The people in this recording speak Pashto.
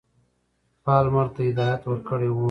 پالمر ته هدایت ورکړی وو.